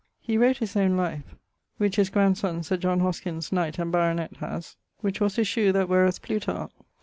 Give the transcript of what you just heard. He wrote his owne life (which his grandsonne Sir John Hoskyns, knight and baronet, haz), which was to shew that wheras Plutarch